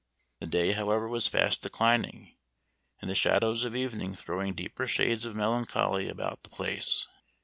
The day, however, was fast declining, and the shadows of evening throwing deeper shades of melancholy about the place.